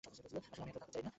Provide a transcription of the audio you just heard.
আসলে, আমি একলা থাকতে চাই।